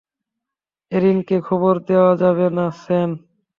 এরিনকে খবর দেয়া যাবে না স্যান।